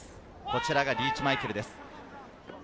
こちらがリーチ・マイケルです。